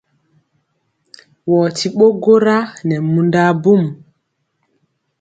Wɔɔ ti ɓo gwora nɛ mundɔ abum.